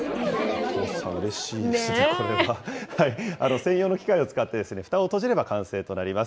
専用の機械を使って、ふたを閉じれば完成となります。